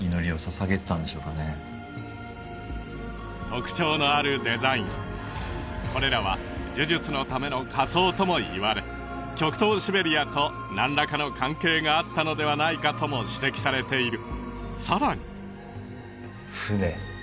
特徴のあるデザインこれらは呪術のための仮装ともいわれ極東シベリアと何らかの関係があったのではないかとも指摘されている